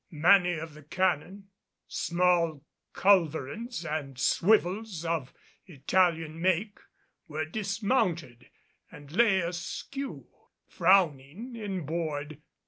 Many of the cannon, small culverins and swivels of Italian make, were dismounted and lay askew, frowning inboard.